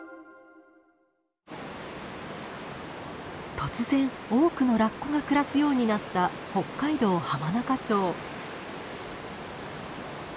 突然多くのラッコが暮らすようになった北海道浜中町。